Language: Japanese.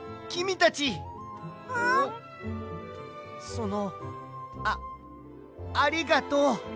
そのあありがとう。